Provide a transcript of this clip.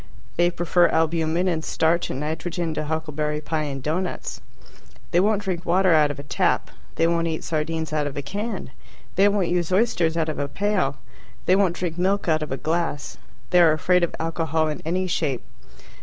They prefer albumen and starch and nitrogen to huckleberry pie and doughnuts. They won't drink water out of a tap. They won't eat sardines out of a can. They won't use oysters out of a pail. They won't drink milk out of a glass. They are afraid of alcohol in any shape.